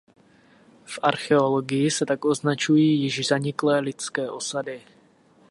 V archeologii se tak označují již zaniklé lidské osady.